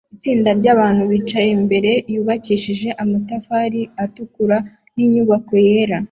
Itsinda ryabantu bicaye imbere yubakishijwe amatafari atukura ninyubako yera